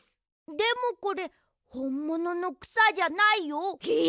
でもこれほんもののくさじゃないよ？え！？